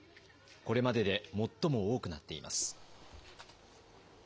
これまでで最も多くなっています。